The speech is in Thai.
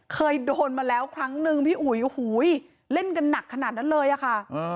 เคยโดนมาแล้วครั้งนึงพี่อุ๋ยโอ้โหเล่นกันหนักขนาดนั้นเลยอะค่ะ